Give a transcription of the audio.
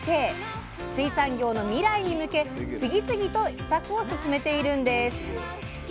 水産業の未来に向け次々と秘策を進めているんです。